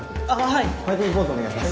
はい。